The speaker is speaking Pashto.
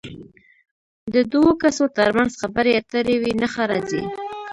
د دوو کسو تر منځ خبرې اترې وي نښه راځي.